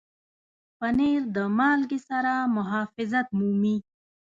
پنېر د مالګې سره محافظت مومي.